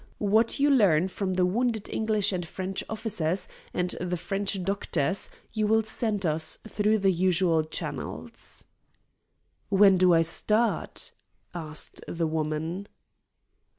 What you learn from the wounded English and French officers and the French doctors you will send us through the usual channels." "When do I start?" asked the woman.